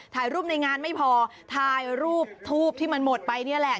ถ่ายรูปในงานไม่พอถ่ายรูปทูปที่มันหมดไปนี่แหละ